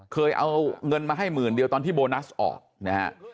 เคยเอาเงินมาให้หมื่นเดียวตอนที่โบนัสออกนะฮะ